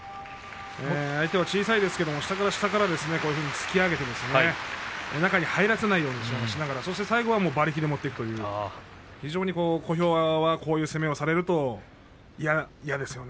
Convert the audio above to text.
相手は小さいですけれども下から下から突き上げて中に入らせないようにしながらそして最後は馬力で持っていくという小兵はこういう攻めをされると嫌ですよね。